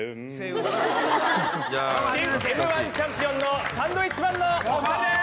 Ｍ−１チャンピオンのサンドウィッチマンのお二人です。